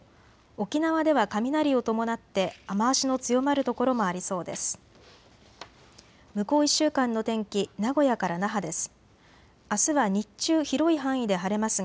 沖縄では雷を伴って雨足の強まる所もありそうです。